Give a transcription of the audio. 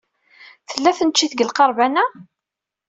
Tella tneččit deg lqerban-a?